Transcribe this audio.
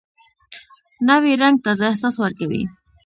نوی رنګ تازه احساس ورکوي